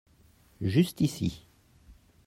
Juste ici.